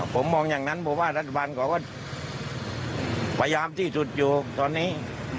ผมมองอย่างนั้นผมว่ารัฐบาลเขาก็พยายามที่สุดอยู่ตอนนี้